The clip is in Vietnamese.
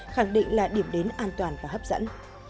khẳng định là điểm đến an toàn và hấp dẫn